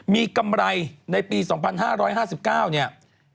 มีกำไรในปี๒๕๕๙เนี่ย